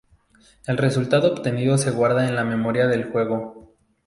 El resultado obtenido se guarda en la memoria del juego.